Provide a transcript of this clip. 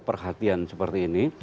perhatian seperti ini